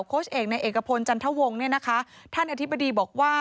โค้ชเอกในเอกพลจันทวงศ์ท่านอธิบดีบอกว่า